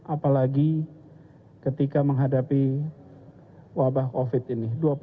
apalagi ketika menghadapi wabah covid ini